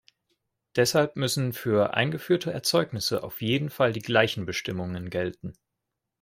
Deshalb müssen für eingeführte Erzeugnisse auf jeden Fall die gleichen Bestimmungen gelten.